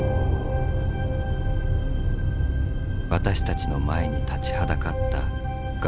私たちの前に立ちはだかった崖。